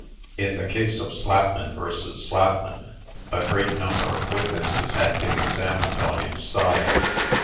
In the case of Slapman vs. Slapman, a great number of witnesses had been examined on each side.